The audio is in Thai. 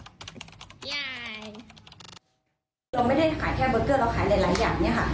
ยายเราไม่ได้ขายแค่เบอร์เกอร์เราขายหลายอย่างเนี่ยค่ะ